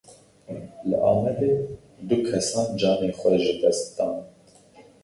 Li Amedê du kesan canê xwe ji dest dan.